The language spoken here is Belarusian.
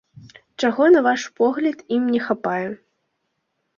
Чаго, на ваш погляд, ім не хапае?